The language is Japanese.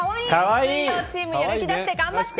水曜チームやる気出して頑張って！